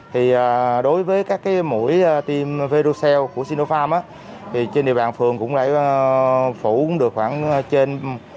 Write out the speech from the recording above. thì đối với các cái mũi tiêm verocell của sinopharm á thì trên địa bàn phường cũng lại phủ được khoảng trên bốn mươi